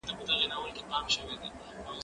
زه د کتابتون د کار مرسته کړې ده؟